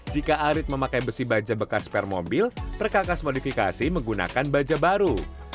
jika arit memakai besi baja bekas spare mobil perkakas modifikasi menggunakan baja baru